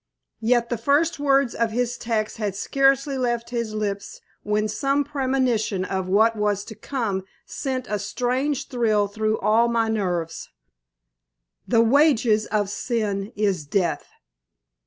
Yet the first words of his text had scarcely left his lips when some premonition of what was to come sent a strange thrill through all my nerves. "The wages of sin is death."